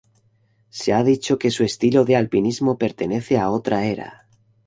Se ha dicho que "su estilo de alpinismo pertenece a otra era".